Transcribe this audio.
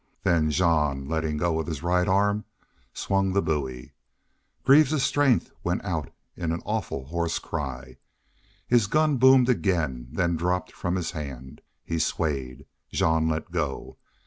Then Jean, letting go with his right arm, swung the bowie. Greaves's strength went out in an awful, hoarse cry. His gun boomed again, then dropped from his hand. He swayed. Jean let go.